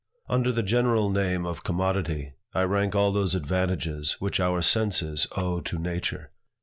Under the general name of Commodity, I rank all those advantages which our senses owe to nature.